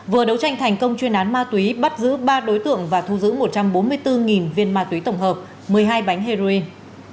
vừa đấu tranh thành công chuyên án ma túy bắt giữ ba đối tượng và thu giữ một trăm bốn mươi bốn viên ma túy tổng hợp một mươi hai bánh heroin